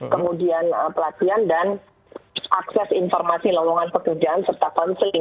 kemudian pelatihan dan akses informasi lorongan pekerjaan serta counseling